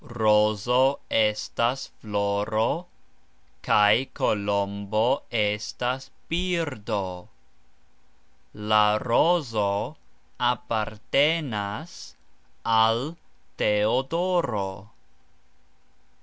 Rozo estas floro kaj kolombo estas birdo. La rozo apartenas al Teodoro.